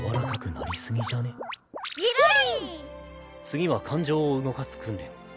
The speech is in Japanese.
次は感情を動かす訓練。